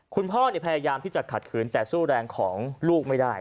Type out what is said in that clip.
พยายามที่จะขัดขืนแต่สู้แรงของลูกไม่ได้